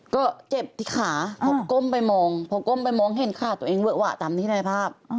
ก็เจ็บที่ขาเขาก้มไปมองพอก้มไปมองเห็นขาตัวเองเวอะวะตามที่ในภาพ